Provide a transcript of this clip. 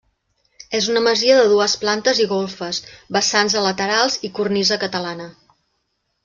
És una masia de dues plantes i golfes, vessants a laterals i cornisa catalana.